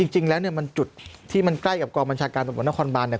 จริงแล้วเนี่ยมันจุดที่มันใกล้กับกองบัญชาการตำรวจนครบานเนี่ย